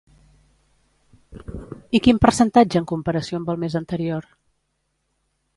I quin percentatge en comparació amb el mes anterior?